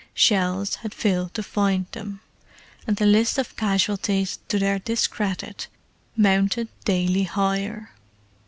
Shells had failed to find them, and the list of casualties to their discredit mounted daily higher.